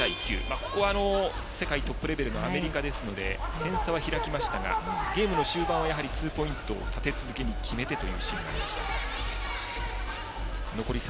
ここは世界トップレベルのアメリカですので点差は開きましたがゲームの終盤はツーポイントを立て続けに決めてというシーンがありました。